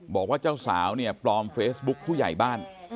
บอกว่าเจ้าสาวเนี่ยปลอมเฟซบุ๊คผู้ใหญ่บ้าน